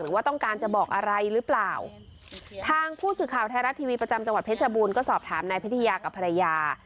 ว่าต้องการจะบอกอะไรหรือเปล่าทางผู้สื่อข่าวไทยรัฐทีวีประจำจังหวัดเพชรบูรณ์ก็สอบถามนายพิทยากับภรรยา